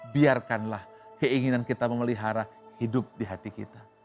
biarkanlah keinginan kita memelihara hidup di hati kita